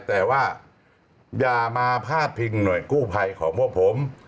แต่ว่าอย่ามาพาดพิงหน่วยกู้ภัยของพวกผม